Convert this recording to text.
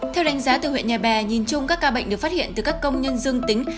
theo đánh giá từ huyện nhà bè nhìn chung các ca bệnh được phát hiện từ các công nhân dương tính